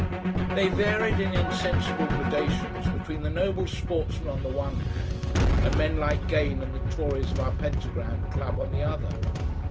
They varied in insensible gradations between the noble sportsmen on the one hand, and men like Gane and the Tories of our Pentagram club on the other.